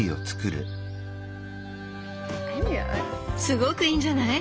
すごくいいんじゃない？